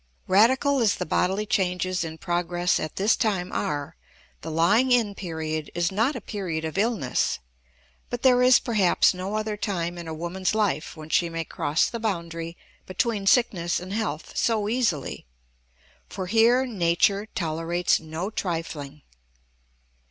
Radical as the bodily changes in progress at this time are, the lying in period is not a period of illness. But there is, perhaps, no other time in a woman's life when she may cross the boundary between sickness and health so easily; for here nature tolerates no trifling.